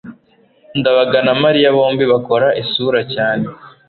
ndabaga na mariya bombi bakora isura cyane